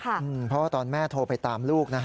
เพราะว่าตอนแม่โทรไปตามลูกนะ